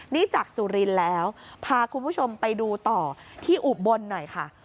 นี่จากสุรินทร์แล้วพาคุณผู้ชมไปดูต่อที่อุบลหน่อยค่ะ